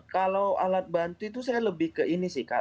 kalau alat bantu itu saya lebih ke ini sih kak